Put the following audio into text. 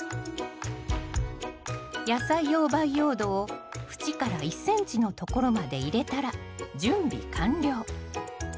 野菜用培養土を縁から１ｃｍのところまで入れたら準備完了。